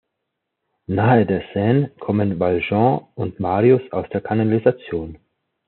Nahe der Seine kommen Valjean und Marius aus der Kanalisation.